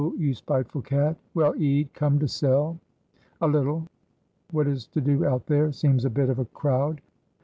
you spiteful cat!" "Well, Ede, come to sell?" "A little." "What is to do out there? seems a bit of a crowd."